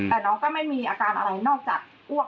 แต่น้องก็ไม่มีอาการอะไรนอกจากอ้วก